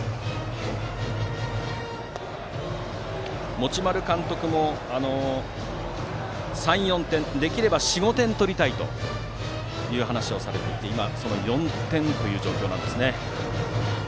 持丸監督も３４点できれば４５点取りたいと話をされていて今、その４点という状況です。